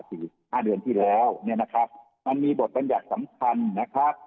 สี่ห้าเดือนที่แล้วเนี่ยนะครับมันมีบทบัญญัติสำคัญนะครับ